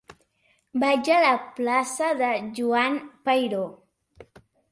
Vaig a la plaça de Joan Peiró.